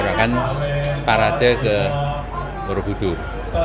baru akan parade kembar budur